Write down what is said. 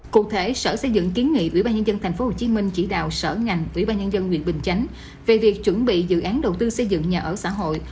cụ thể sở xây dựng kiến nghị ủy ban nhân dân tp hcm chỉ đào sở ngành ủy ban nhân dân tp hcm về việc chuẩn bị dự án đầu tư xây dựng nhà ở xã hội